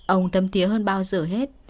ông thâm thiết hơn bao giờ hết